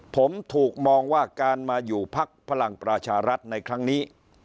ผมถูกมองว่าการมาอยู่พักพลังประชารัฐในครั้งนี้